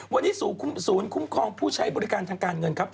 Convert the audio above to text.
วันนี้ศูนย์คุ้มครองผู้ใช้บริการทางการเงินครับ